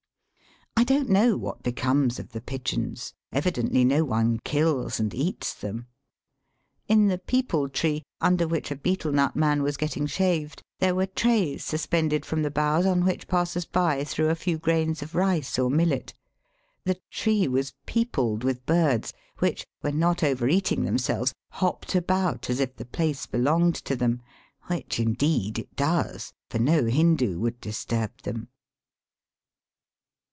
I don't know what becomes of the pigeons ; evidently no one kills and eats them. In the peepiil tree, under which a betel nut man was getting shaved, there were trays suspended from the boughs on which passers by threw a few grains of rice or millet. The tree was peopled with birds, which, when not over eating themselves, hopped about as if the place belonged to them; which indeed it does, for no Hindoo would disturb them.